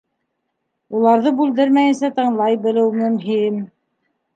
Уларҙы бүлдермәйенсә тыңлай белеү мөһим.